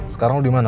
sekarang lo dimana